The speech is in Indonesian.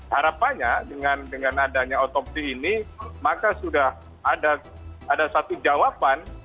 harapannya dengan adanya otopsi ini maka sudah ada satu jawaban